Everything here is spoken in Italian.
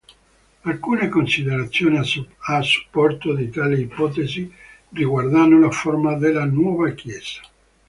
Alcune considerazioni a supporto di tale ipotesi riguardano la forma della nuova chiesa.